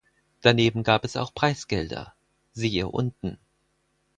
Daneben gab es auch Preisgelder (siehe unten).